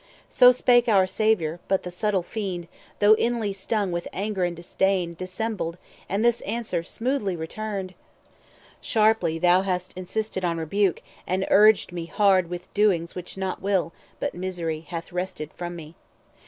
So spake our Saviour; but the subtle Fiend, Though inly stung with anger and disdain, Dissembled, and this answer smooth returned:— "Sharply thou hast insisted on rebuke, And urged me hard with doings which not will, But misery, hath wrested from me.